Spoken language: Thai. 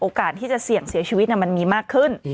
ที่จะเสี่ยงเสียชีวิตมันมีมากขึ้น